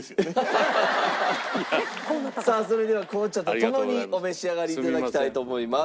さあそれでは紅茶と共にお召し上がり頂きたいと思います。